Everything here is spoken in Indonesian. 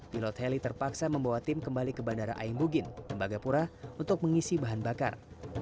pilot heli terpaksa membawa tim kembali ke bandara aimbugin tembagapura untuk mengisi bahan bakar